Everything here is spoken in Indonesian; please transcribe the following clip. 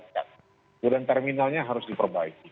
kemudian terminalnya harus diperbaiki